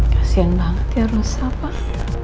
kasian banget ya rosa pak